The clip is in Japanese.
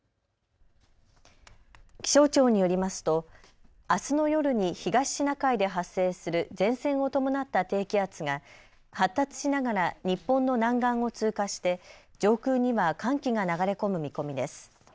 気象庁によりますとあすの夜に東シナ海で発生する前線を伴った低気圧が発達しながら日本の南岸を通過して上空には寒気が流れ込む見込みです。